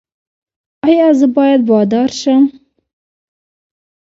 ایا زه باید بادار شم؟